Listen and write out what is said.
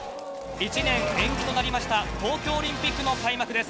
１年延期となりました東京オリンピックの開幕です。